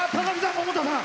百田さん